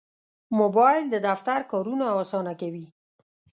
موبایل د دفتر کارونه اسانه کوي.